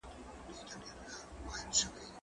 زه بايد سبزېجات وخورم!؟